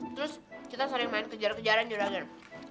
terus kita sering main kejar kejaran juranger